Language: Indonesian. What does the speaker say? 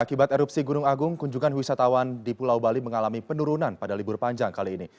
akibat erupsi gunung agung kunjungan wisatawan di pulau bali mengalami penurunan pada libur panjang kali ini